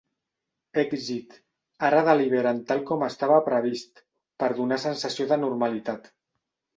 Èxit, ara deliberen tal com estava previst, per donar sensació de normalitat.